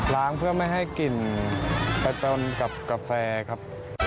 เพื่อไม่ให้กลิ่นไปจนกับกาแฟครับ